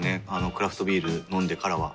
クラフトビール飲んでからは。